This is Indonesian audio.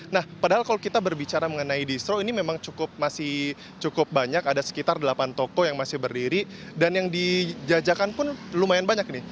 nah padahal kalau kita berbicara mengenai distro ini memang cukup masih cukup banyak ada sekitar delapan toko yang masih berdiri dan yang dijajakan pun lumayan banyak nih